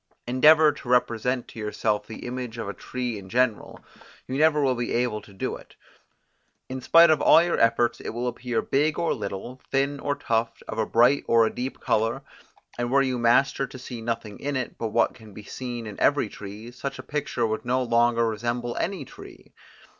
Endeavour to represent to yourself the image of a tree in general, you never will be able to do it; in spite of all your efforts it will appear big or little, thin or tufted, of a bright or a deep colour; and were you master to see nothing in it, but what can be seen in every tree, such a picture would no longer resemble any tree.